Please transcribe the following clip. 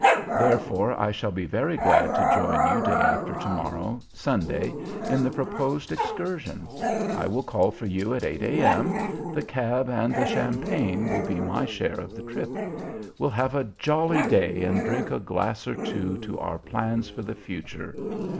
Therefore, I shall be very glad to join you day after to morrow, Sunday, in the proposed excursion. I will call for you at 8 A.M. the cab and the champagne will be my share of the trip. We'll have a jolly day and drink a glass or two to our plans for the future.